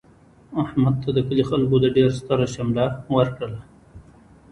احمد ته د کلي خلکو د ډېر ستره شمله ورکړله.